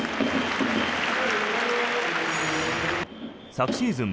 昨シーズン